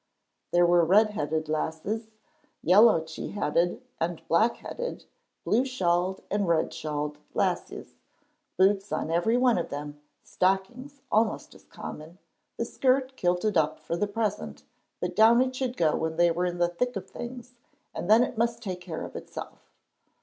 There were red headed lasses, yellow chy headed and black headed, blue shawled and red shawled lasses; boots on every one of them, stockings almost as common, the skirt kilted up for the present, but down it should go when they were in the thick of things, and then it must take care of itself.